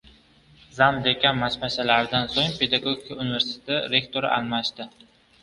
“Zam dekan” mashmashalaridan so‘ng Pedagogika universiteti rektori almashdi